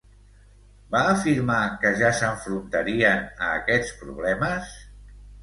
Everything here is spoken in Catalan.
Va afirmar que ja s'enfrontarien a aquests problemes?